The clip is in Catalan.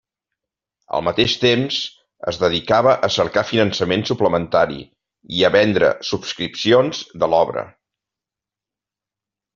Al mateix temps es dedicava a cercar finançament suplementari i a vendre subscripcions de l'obra.